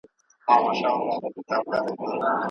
د کور کړکۍ هوا لپاره پرانيزئ.